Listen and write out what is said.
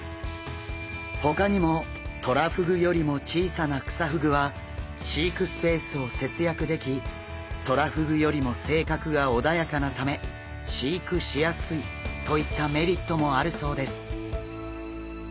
ほかにもトラフグよりも小さなクサフグは飼育スペースを節約できトラフグよりも性格が穏やかなため飼育しやすいといったメリットもあるそうです。